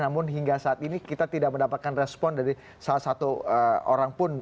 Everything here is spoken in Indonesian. namun hingga saat ini kita tidak mendapatkan respon dari salah satu orang pun